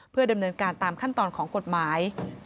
เพื่อดำเนินการตามขั้นตอนของกฎหมาย